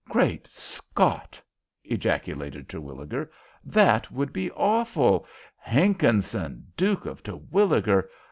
"Great Scott!" ejaculated Terwilliger. "That would be awful. Hankinson, Duke of Terwilliger!